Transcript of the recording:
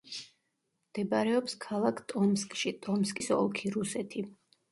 მდებარეობს ქალაქ ტომსკში, ტომსკის ოლქი, რუსეთი.